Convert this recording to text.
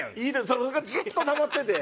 それがずっとたまってて。